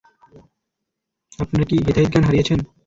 আপনারা কি হিতাহিতজ্ঞান হারিয়েছেন?